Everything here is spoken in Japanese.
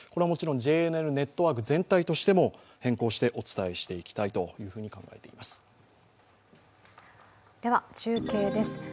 もちろんＪＮＮネットワーク全体としても変更してお伝えしていきたいというふうに考えています。